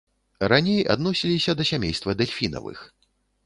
Раней адносіліся да сямейства дэльфінавых.